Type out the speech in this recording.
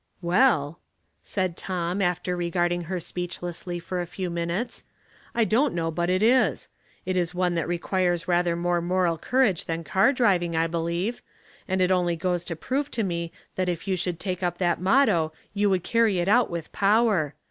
"Well," said Tom, after regarding her speechlessly for a few minutes, " I don't know but it is. It is one that requires rather more moral courage than car driving, I believe; and 370 Household Puzzles. it only goes to prove to me that if you should take up that motto you would carry it out with power.